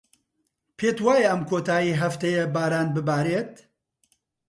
پێت وایە ئەم کۆتاییی هەفتەیە باران ببارێت؟